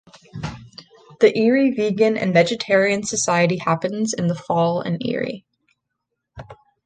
The Erie Vegan and Vegetarian Society happens in the fall in Erie.